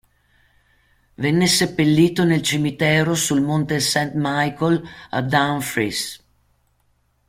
Venne seppellito nel cimitero sul monte St. Michael a Dumfries.